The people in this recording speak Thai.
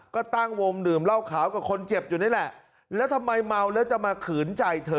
ก็ตั้งวงดื่มเหล้าขาวกับคนเจ็บอยู่นี่แหละแล้วทำไมเมาแล้วจะมาขืนใจเธอ